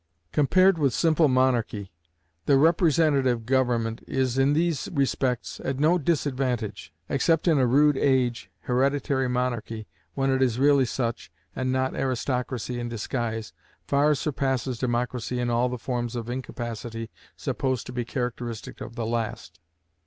Compared with simple monarchy, representative government is in these respects at no disadvantage. Except in a rude age, hereditary monarchy, when it is really such, and not aristocracy in disguise, far surpasses democracy in all the forms of incapacity supposed to be characteristic of the last.